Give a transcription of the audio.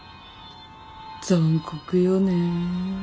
残酷よねぇ。